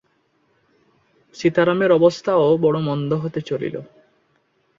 সীতারামের অবস্থাও বড় মন্দ হইতে চলিল।